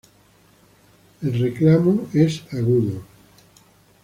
El reclamo es agudo.